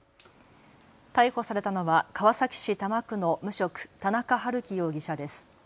逮捕されたのは川崎市多摩区の無職、田村遥貴容疑者です。